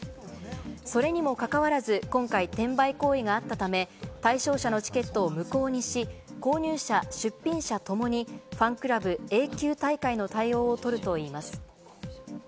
それにもかかわらず、今回、転売行為があったため、対象者のチケットを無効にし、購入者、出品者共にファンクラブ永久退会の対応をとるといいます。